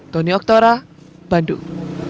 tony oktora bandung